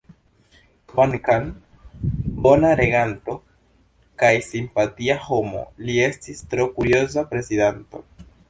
Kvankam bona reganto kaj simpatia homo, li estis tro kurioza prezidanto.